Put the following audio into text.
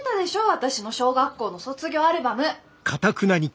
私の小学校の卒業アルバム。